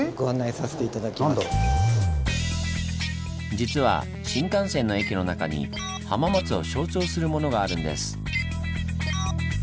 実は新幹線の駅の中に浜松を象徴するものがあるんです。